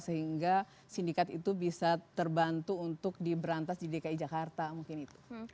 sehingga sindikat itu bisa terbantu untuk diberantas di dki jakarta mungkin itu